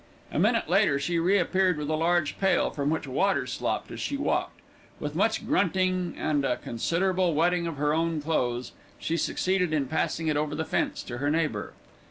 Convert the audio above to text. A minute later she re appeared with a large pail, from which water slopped as she walked. With much grunting and a considerable wetting of her own clothes, she succeeded in passing it over the fence to her neighbour.